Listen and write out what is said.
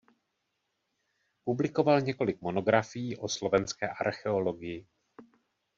Publikoval několik monografií o slovenské archeologii.